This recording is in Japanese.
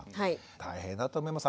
大変だと思います。